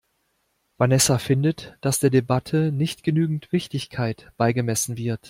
Vanessa findet, dass der Debatte nicht genügend Wichtigkeit beigemessen wird.